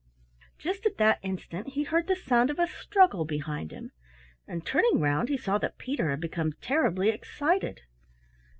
Just at that instant he heard the sound of a struggle behind him, and turning round he saw that Peter had become terribly excited.